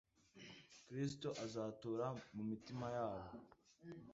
kristo azatura mu mitima yabo